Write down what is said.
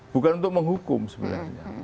bukan untuk menghukum sebenarnya